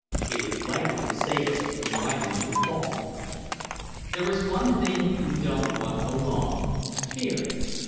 It is likely to save us from riding to a fall. There is one thing we don't want along fear.